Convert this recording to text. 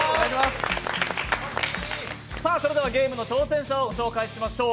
さあ、それではゲームの挑戦者をご紹介しましょう。